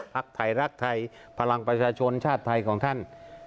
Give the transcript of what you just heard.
พักไทยรักไทยพลังประชาชนชาติไทยของท่าน